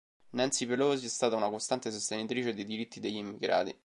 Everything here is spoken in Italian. Nancy Pelosi è stata una costante sostenitrice dei diritti degli immigrati.